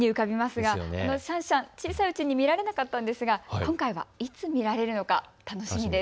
シャンシャン、小さいうち見られなかったんですが、今回はいつ見られるのか楽しみです。